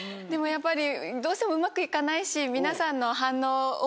やっぱり。